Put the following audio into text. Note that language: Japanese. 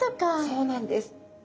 そうなんです。